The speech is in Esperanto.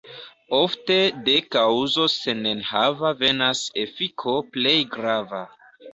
Ofte de kaŭzo senenhava venas efiko plej grava.